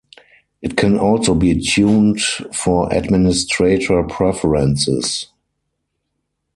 It can also be tuned for administrator preferences.